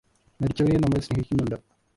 മരിച്ചവരെയും നമ്മള് സ്നേഹിക്കുന്നുണ്ട്